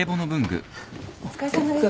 お疲れさまです。